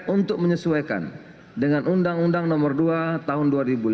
untuk menyesuaikan dengan undang undang nomor dua tahun dua ribu lima belas